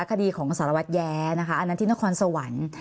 คดีของสารวัตรแย้นะคะอันนั้นที่นครสวรรค์